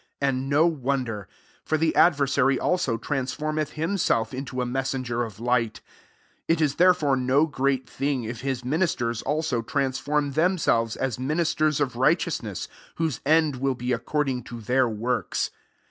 14 And no won der : for the adversary also, transformeth himself into a messenger of light 15 It is therefore no great thing, if his ministers^ also, transform tiiem selves as ministers of riglite ousness : whose end will be ac cording to their works.